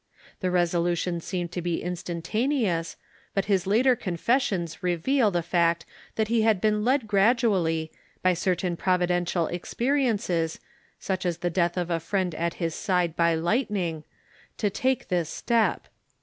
Tlie resolution seemed to be instan taneous, but his later confessions reveal the fact that he had been led gradually, by certain providential experiences, such as the death of a friend at his side b}^ lightning, to take this step.